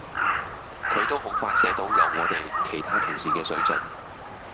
佢都好快寫到有我哋其他同事嘅水準